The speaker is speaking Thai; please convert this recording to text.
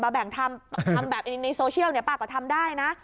แบ่งทำแบบในโซเชียลป้าก็ทำได้นะ